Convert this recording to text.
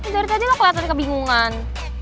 dari tadi lo kelihatan kebingungan